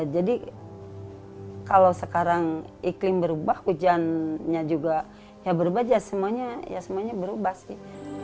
jadi kalau sekarang iklim berubah hujannya juga ya berubah ya semuanya ya semuanya berubah sih